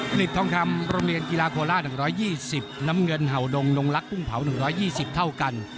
ผลิตทองคำโรงเรียนกีฬาโคล่าหนึ่งร้อยยี่สิบน้ำเงินเห่าดงนงรักกุ้งเผาหนึ่งร้อยยี่สิบเท่ากัน